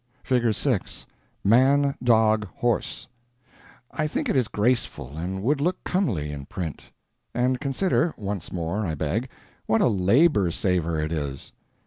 (Figure 6)—Man Dog Horse. I think it is graceful and would look comely in print. And consider—once more, I beg—what a labor saver it is!